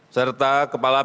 serta kepala bpkp